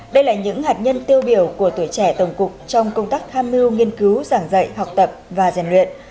đây là những hạt nhân tiêu biểu của tuổi trẻ tổng cục trong công tác tham mưu nghiên cứu giảng dạy học tập và giàn luyện